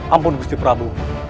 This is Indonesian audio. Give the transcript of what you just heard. ampun gusti prabu